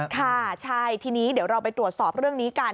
ค่ะใช่ทีนี้เดี๋ยวเราไปตรวจสอบเรื่องนี้กัน